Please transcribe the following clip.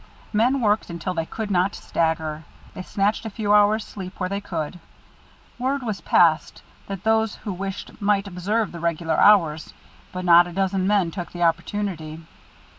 Men worked until they could not stagger, then snatched a few hours' sleep where they could. Word was passed that those who wished might observe the regular hours, but not a dozen men took the opportunity.